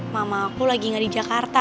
mamaku lagi gak di jakarta